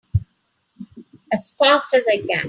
As fast as I can!